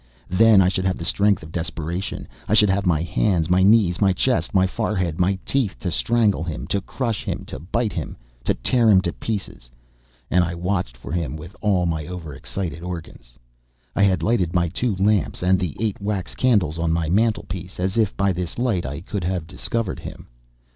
then I should have the strength of desperation; I should have my hands, my knees, my chest, my forehead, my teeth to strangle him, to crush him, to bite him, to tear him to pieces. And I watched for him with all my overexcited organs. I had lighted my two lamps and the eight wax candles on my mantelpiece, as if by this light I could have discovered him.